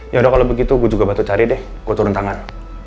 yaudah kalau begitu gue juga batu cari deh gue turun tangan